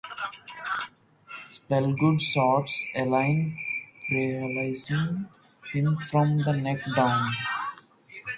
Spellgood shoots Allie, paralyzing him from the neck down.